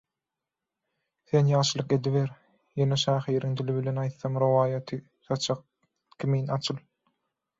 Sen ýagşylyk ediber, ýene şahyryň dili bilen aýtsam «Rowaýaty saçak kimin açyl.»